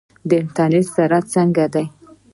د انټرنیټ سرعت څنګه دی؟